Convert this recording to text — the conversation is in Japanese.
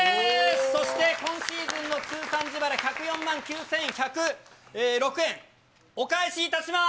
そして、今シーズンの通算自腹１０４万９１０６円、お返しいたします。